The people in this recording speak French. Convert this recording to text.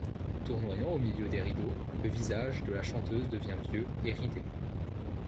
Tournoyant au milieu des rideaux, le visage de la chanteuse devient vieux et ridé.